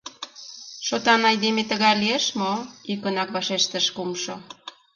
— Шотан айдеме тыгай лиеш мо? — йӱкынак вашештыш кумшо.